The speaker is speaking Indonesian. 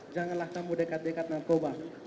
janganlah kamu dekat dekat narkoba